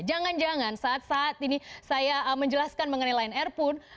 jangan jangan saat saat ini saya menjelaskan mengenai lion air pun